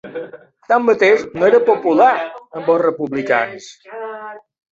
Tanmateix, no era popular amb els republicans.